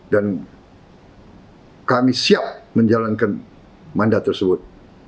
dan kami siap menjalankan mandat tersebut